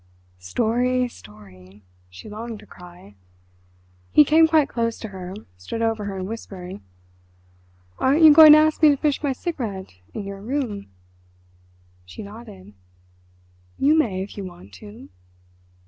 "Story—story!" she longed to cry. He came quite close to her, stood over her and whispered: "Aren't you going to ask me to finish my cigarette in your room?" She nodded. "You may if you want to!"